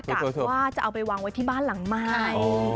กะว่าจะเอาไปวางไว้ที่บ้านหลังใหม่